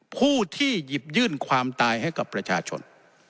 ผู้ที่หยิบยื่นความตายให้กับประชาชน